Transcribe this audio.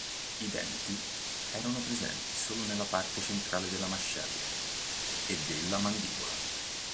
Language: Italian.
I denti erano presenti solo nella parte centrale delle mascella e della mandibola.